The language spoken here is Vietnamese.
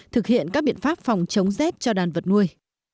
thực hiện các biện pháp phòng chống rét cho đàn vật nuôi